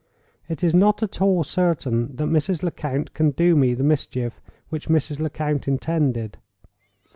It is not at all certain that Mrs. Lecount can do me the mischief which Mrs. Lecount intended.